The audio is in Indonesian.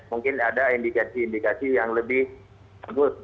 mungkin ada indikasi indikasi yang lebih bagus